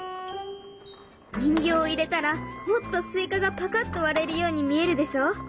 人形を入れたらもっとスイカがぱかっと割れるように見えるでしょ？